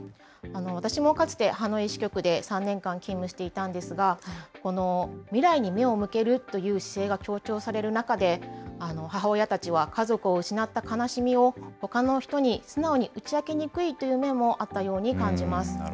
私もかつてハノイ支局で３年間勤務していたんですが、未来に目を向けるという姿勢が強調される中で、母親たちは家族を失った悲しみを、ほかの人に素直に打ち明けにくいという面もあったように感じます。